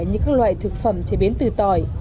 như các loại thực phẩm chế biến từ tỏi